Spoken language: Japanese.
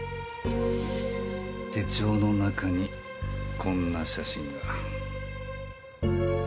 手帳の中にこんな写真が。